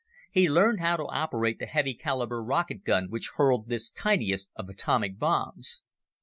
He learned how to operate the heavy caliber rocket gun which hurled this tiniest of atomic bombs.